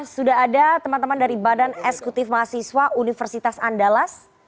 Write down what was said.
sudah ada teman teman dari badan eksekutif mahasiswa universitas andalas